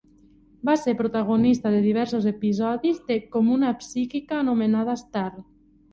Va ser protagonista de diversos episodis de "" com una psíquica anomenada Starr.